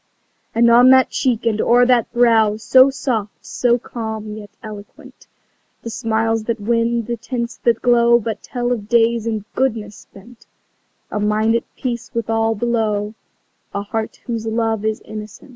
And on that cheek and o'er that brow So soft, so calm yet eloquent, The smiles that win, the tints that glow But tell of days in goodness spent A mind at peace with all below, A heart whose love is innocent.